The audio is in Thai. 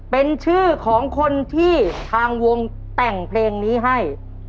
เป็นชื่อของคนที่ทางวงแต่งเพลงนี้ให้